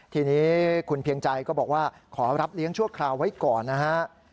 ทีนี้คุณเพียงใจก็บอกว่าขอรับเลี้ยงชั่วคราวไว้ก่อนนะฮะ